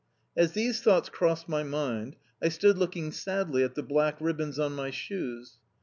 As these thoughts crossed my mind I stood looking sadly at the black ribbons on my shoes.